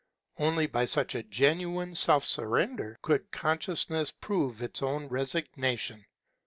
Only by such a genuine self surrender could consciousness prove its own resignation.